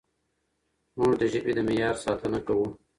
موږ د ژبې د معیار ساتنه کوو.